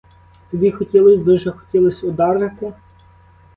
Тобі хотілось, дуже хотілось ударити?